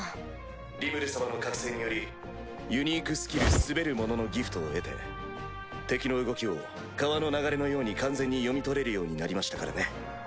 リムル様の覚醒によりユニークスキル大元帥のギフトを得て敵の動きを川の流れのように完全に読み取れるようになりましたからね。